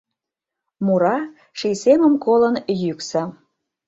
Мура, ший семым колын, йӱксӧ.